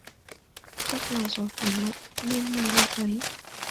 Chắc là gió thổi mạnh nên là mày lạnh đấy